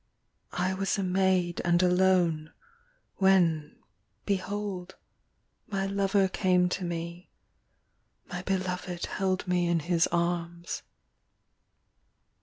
I was a maid and alone, When, behold, my lover came to me, My beloved held me in his arms.